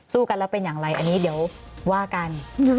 กันแล้วเป็นอย่างไรอันนี้เดี๋ยวว่ากัน